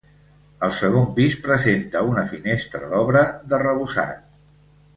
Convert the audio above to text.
El segon pis presenta una finestra d'obra d'arrebossat.